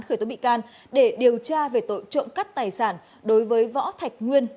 khởi tố bị can để điều tra về tội trộm cắp tài sản đối với võ thạch nguyên